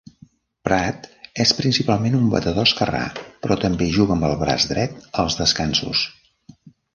Pratt és principalment un batedor esquerrà, però també juga amb el braç dret als descansos.